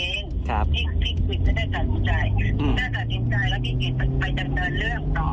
ที่พี่กริจไม่ได้ตราบรู้ใจแม่ตายแล้วกิจไปดำเนินเรื่องต่อ